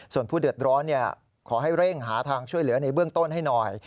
ส่วนผู้เดือดร้อนขอให้เร่งหาทางช่วยเหลือในเบื้องต้นให้หน่อย